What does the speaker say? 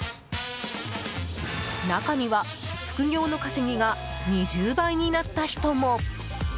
中には副業の稼ぎが２０倍になった人も。